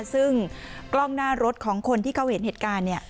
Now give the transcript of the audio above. ซึ่งกล้องหน้ารถของคนที่เขาเห็นเหตุการณ์